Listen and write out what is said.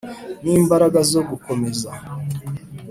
nimbaraga zo gukomeza